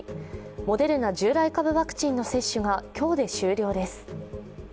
モデルナ従来株ワクチンの接種が今日で終了です。